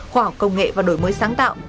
khoa học công nghệ và đổi mới sáng tạo